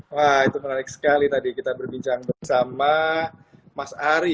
wah itu menarik sekali tadi kita berbincang bersama mas ari